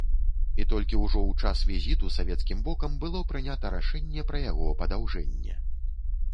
І толькі ўжо ў час візіту савецкім бокам было прынята рашэнне пра яго падаўжэнне.